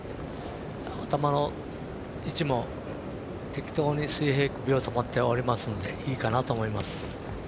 頭の位置も適当に水平クビを保っているのでいいかなと思います。